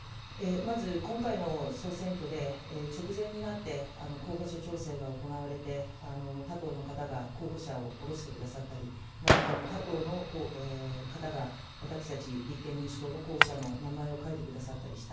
まず今回の総選挙で、直前になって、候補者調整が行われて、他党の方が候補者をおろしてくださったり、また他党の方が私たち立憲民主党の候補者の名前を書いてくださったりした。